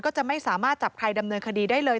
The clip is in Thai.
จะไม่สามารถจับใครดำเนินคดีได้เลย